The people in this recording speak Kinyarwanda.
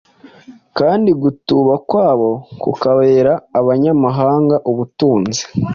kandi gutuba kwabo kukabera abanyamahanga ubutunzi,